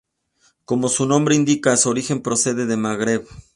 Como su nombre indica, su origen procede del Magreb.